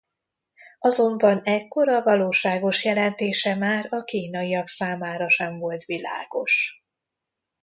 Azonban ekkor a valóságos jelentése már a kínaiak számára sem volt világos.